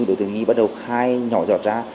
đối tượng nghi bắt đầu khai nhỏ dọt ra